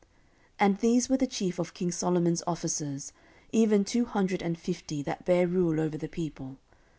14:008:010 And these were the chief of king Solomon's officers, even two hundred and fifty, that bare rule over the people.